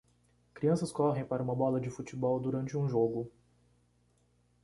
Crianças correm para uma bola de futebol durante um jogo.